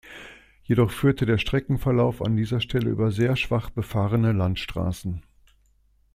Jedoch führt der Streckenverlauf an dieser Stelle über sehr schwach befahrene Landstraßen.